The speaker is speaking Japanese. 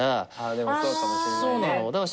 でもそうかもしれないね。